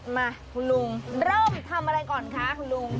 มาคุณลุงเริ่มทำอะไรก่อนคะคุณลุง